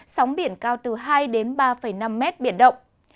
sóng biển cao từ hai đến ba năm mét biển động